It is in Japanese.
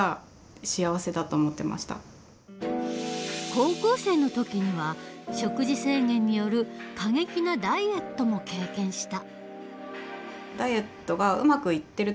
高校生の時には食事制限による過激なダイエットも経験した。